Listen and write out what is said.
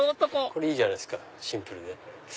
これいいじゃないですかシンプルで。